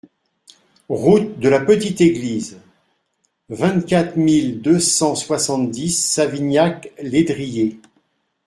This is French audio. Route de la Petite Église, vingt-quatre mille deux cent soixante-dix Savignac-Lédrier